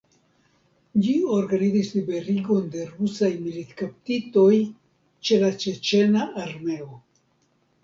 Ĝi organizis liberigon de rusaj militkaptitoj ĉe la ĉeĉena armeo.